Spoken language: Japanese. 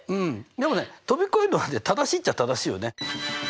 でもね飛び越えるのはね正しいっちゃ正しいよね。